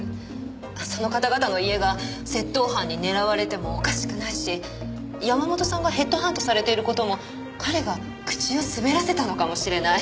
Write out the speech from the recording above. その方々の家が窃盗犯に狙われてもおかしくないし山本さんがヘッドハントされている事も彼が口を滑らせたのかもしれない。